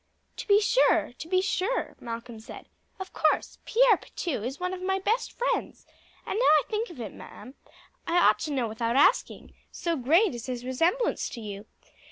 "To be sure, to be sure!" Malcolm said. "Of course, Pierre Pitou is one of my best friends; and now I think of it, madam, I ought to know without asking, so great is his resemblance to you.